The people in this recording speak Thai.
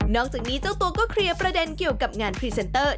อกจากนี้เจ้าตัวก็เคลียร์ประเด็นเกี่ยวกับงานพรีเซนเตอร์